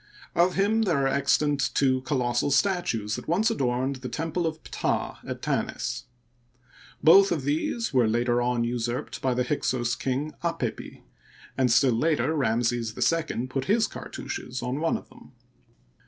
Of him there are extant two colossal statues that once adorned the temple of Ptah at Tanis. Both of these were later on usurped by the Hyksos king Apept\ and still later Ramses II put his cartouches on one of them.